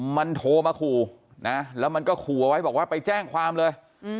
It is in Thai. มันโทรมาขู่นะแล้วมันก็ขู่เอาไว้บอกว่าไปแจ้งความเลย